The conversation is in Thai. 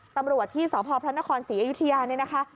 ตำรวจที่สพพระนครศรีอยุธยาเนี่ยนะคะ